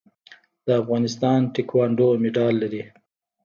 د افغانستان تکواندو مډال لري